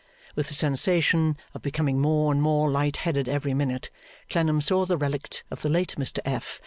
With the sensation of becoming more and more light headed every minute, Clennam saw the relict of the late Mr F.